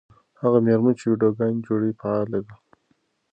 هغه مېرمنه چې ویډیوګانې جوړوي فعاله ده.